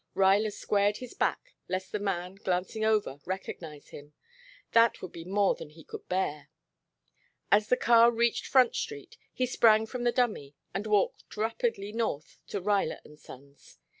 Ruyler squared his back lest the man, glancing over, recognize him. That would be more than he could bear. As the car reached Front Street he sprang from the dummy and walked rapidly north to Ruyler and Sons.